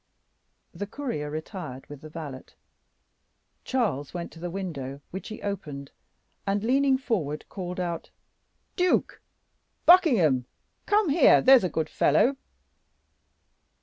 The courier retired with the valet. Charles went to the window, which he opened, and leaning forward, called out "Duke! Buckingham! come here, there's a good fellow."